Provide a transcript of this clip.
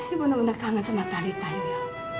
ibu bener bener kangen sama talita you yo